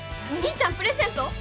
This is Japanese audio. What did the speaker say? お兄ちゃんプレゼント？